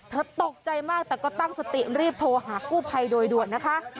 ตกใจมากแต่ก็ตั้งสติรีบโทรหากู้ภัยโดยด่วนนะคะ